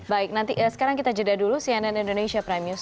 baik nanti sekarang kita jeda dulu cnn indonesia prime news